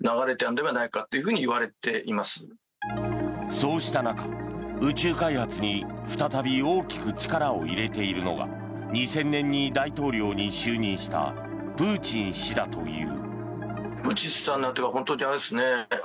そうした中、宇宙開発に再び大きく力を入れているのが２０００年に大統領に就任したプーチン氏だという。